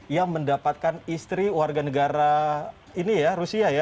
yang mendapatkan istri warga negara ini ya rusia ya